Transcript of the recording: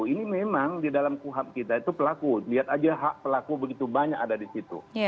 ini memang di dalam kuhab kita itu pelaku lihat aja hak pelaku begitu banyak ada di situ